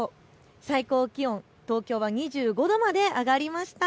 最高気温、東京は２５度まで上がりました。